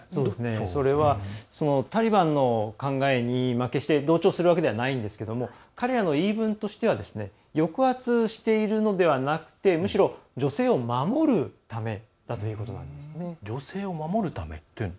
それはタリバンの考えに決して同調するわけではないんですけれども彼らの言い分としては抑圧しているのではなくてむしろ、女性を守るためだということなんですね。